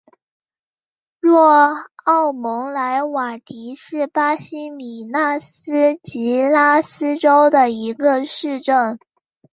若昂蒙莱瓦迪是巴西米纳斯吉拉斯州的一个市镇。